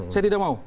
saya tidak mau